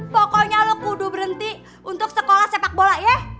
pokoknya lo kudu berhenti untuk sekolah sepak bola ya